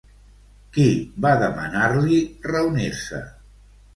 Qui va demanar-li reunir-se?